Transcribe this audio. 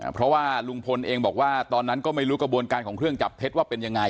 เพราะว่าลุงพลเองบอกว่าตอนนั้นก็ไม่รู้กระบวนการของเครื่องจับเท็จว่าเป็นยังไง